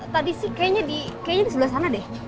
tadi sih kayaknya di sebelah sana deh